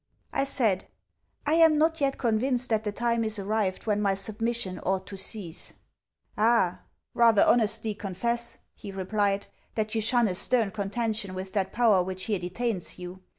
I said, 'I am not yet convinced that the time is arrived when my submission ought to cease.' 'Ah, rather, honestly confess,' he replied, 'that you shun a stern contention with that power which here detains you.